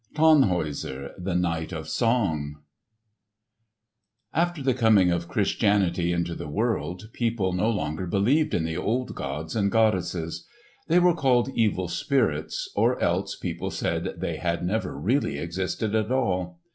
*Tannhäuser the Knight of Song* (Tannhauser) After the coming of Christianity into the world, people no longer believed in the old gods and goddesses. They were called evil spirits, or else people said that they had never really existed at all.